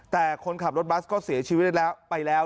แต่คนขับรถบัสก็เสียชีวิตแล้วไปแล้ว